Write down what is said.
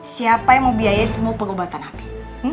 siapa yang mau biayainya semua pengobatan abi